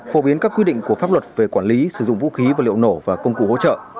phổ biến các quy định của pháp luật về quản lý sử dụng vũ khí và liệu nổ và công cụ hỗ trợ